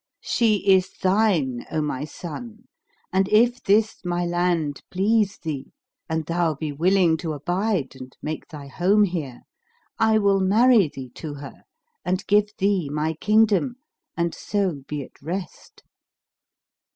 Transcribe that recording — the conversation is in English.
She is shine, O my son; and, if this my land please thee and thou be willing to abide and make thy home here, I will marry thee to her and give thee my kingdom and so be at rest."